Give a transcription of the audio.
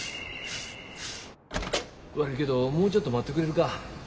悪いけどもうちょっと待ってくれるか？